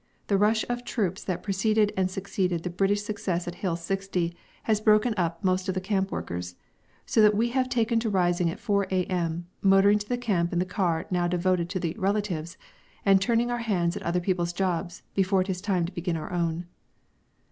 The rush of troops that preceded and succeeded the British success at Hill 60 has broken up most of the camp workers, so that we have taken to rising at 4 A.M., motoring to the camp in the car now devoted to the "relatives," and turning our hands at other people's jobs before it is time to begin our own.